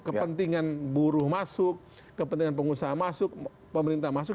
kepentingan buruh masuk kepentingan pengusaha masuk pemerintah masuk